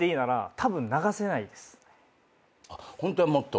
ホントはもっと？